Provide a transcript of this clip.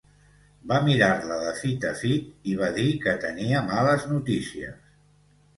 Va mirar-la de fit a fit i va dir que tenia males notícies